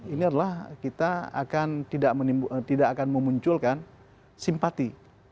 ini adalah kita akan tidak akan memunculkan simpati